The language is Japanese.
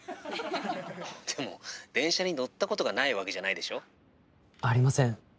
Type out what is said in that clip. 「でも電車に乗ったことがないわけじゃないでしょ？」。ありません。